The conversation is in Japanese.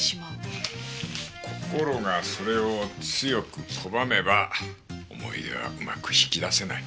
心がそれを強く拒めば思い出はうまく引き出せない。